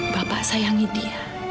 bapak sayangi dia